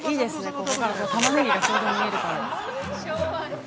ここからタマネギがちょうど見えるから。